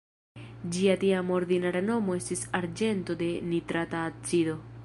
Ĝia tiama ordinara nomo estis arĝento de nitrata acido.